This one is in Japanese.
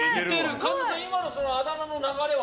神田さん、今のあだ名の流れは？